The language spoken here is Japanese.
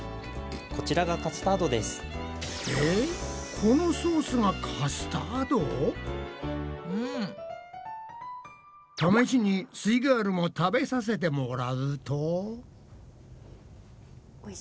このソースが試しにすイガールも食べさせてもらうと。